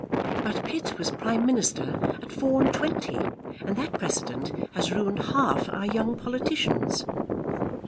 But Pitt was Prime Minister at four and twenty, and that precedent has ruined half our young politicians."